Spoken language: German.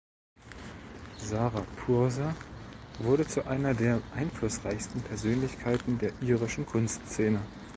Sarah Purser wurde zu einer der einflussreichsten Persönlichkeiten der irischen Kunstszene.